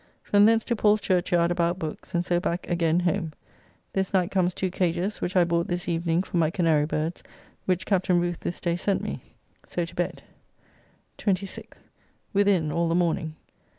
From thence to Paul's Churchyard about books, and so back again home. This night comes two cages, which I bought this evening for my canary birds, which Captain Rooth this day sent me. So to bed. 26th. Within all the morning.